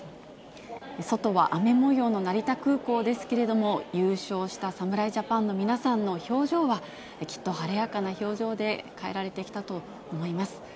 外は雨もようの成田空港ですけれども、優勝した侍ジャパンの皆さんの表情は、きっと晴れやかな表情で帰られてきたと思います。